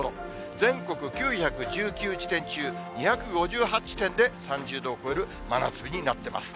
全国９１９地点中、２５８地点で３０度を超える真夏日になってます。